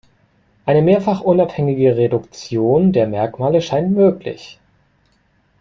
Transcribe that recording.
Eine mehrfach unabhängige Reduktion der Merkmale scheint möglich.